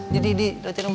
jadi di lo tidak mau nangis